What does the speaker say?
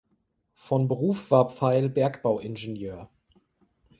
Von Beruf war Pfeil Bergbau-Ingenieur.